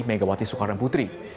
megawati soekarno putri